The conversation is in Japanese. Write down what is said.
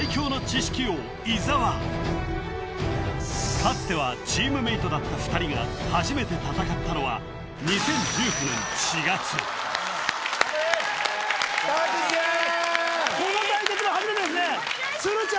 かつてはチームメイトだった２人が初めて戦ったのは２０１９年４月拓ちゃん！